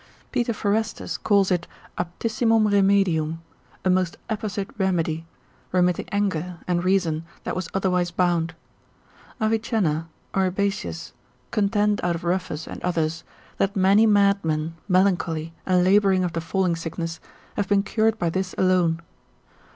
Peter Forestus calls it aptissimum remedium, a most apposite remedy, remitting anger, and reason, that was otherwise bound. Avicenna Fen. 3. 20. Oribasius med. collect. lib. 6. cap. 37. contend out of Ruffus and others, that many madmen, melancholy, and labouring of the falling sickness, have been cured by this alone.